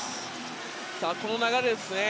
この流れですね。